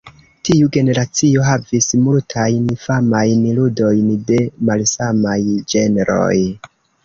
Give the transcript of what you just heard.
Tiu generacio havis multajn famajn ludojn de malsamaj ĝenroj.